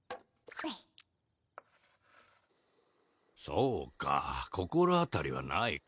そうか心当たりはないか。